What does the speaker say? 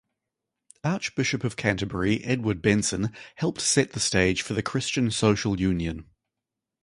Archbishop of Canterbury Edward Benson helped set the stage for the Christian Social Union.